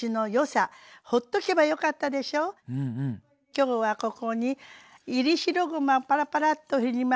今日はここに煎り白ごまをパラパラッと振ります。